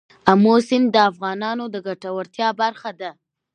آمو سیند د افغانانو د ګټورتیا برخه ده.